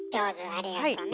ありがとね。